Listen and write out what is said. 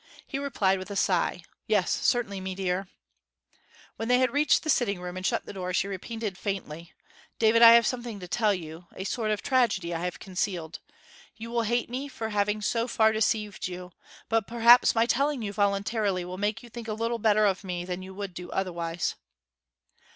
He replied with a sigh, 'Yes, certainly, mee deer.' When they had reached the sitting room and shut the door she repeated, faintly, 'David, I have something to tell you a sort of tragedy I have concealed. You will hate me for having so far deceived you; but perhaps my telling you voluntarily will make you think a little better of me than you would do otherwise.'